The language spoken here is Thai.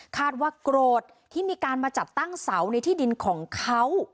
คาดว่าโกรธที่มีการมาจัดตั้งเสาในที่ดินของเขา